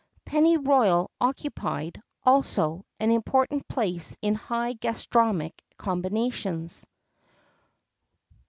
[X 35] Pennyroyal occupied, also, an important place in high gastronomic combinations.